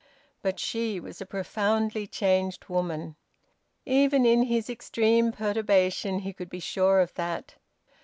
But she was a profoundly changed woman. Even in his extreme perturbation he could be sure of that.